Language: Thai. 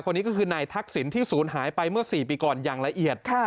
คนนี้ก็คือนายทักษิณที่ศูนย์หายไปเมื่อ๔ปีก่อนอย่างละเอียด